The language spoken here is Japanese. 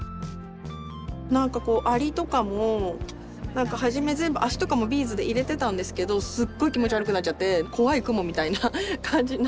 アリとかもはじめ全部足とかもビーズで入れてたんですけどすっごい気持ち悪くなっちゃって怖いクモみたいな感じになっちゃって